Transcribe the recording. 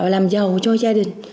làm giàu cho gia đình